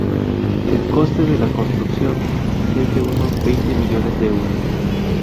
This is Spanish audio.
El coste de la construcción es de unos veinte millones de euros.